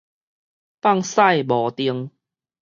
放屎無 𠕇